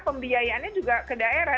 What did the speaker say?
pembiayaannya juga ke daerah